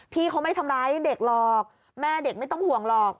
พี่เขาไม่ทำร้ายเด็กหรอกแม่เด็กไม่ต้องห่วงหรอก